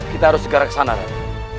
kita harus segera kesana raden